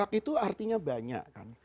itu artinya banyak kan